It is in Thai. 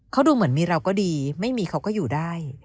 เขาดูเหมือนมีเราก็ดีไม่มีเขาก็อยู่ได้